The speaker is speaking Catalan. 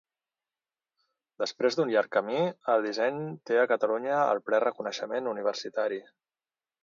Després d'un llarg camí el disseny té a Catalunya el ple reconeixement universitari.